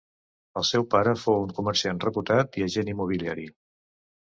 El seu pare fou un comerciant reputat i agent immobiliari.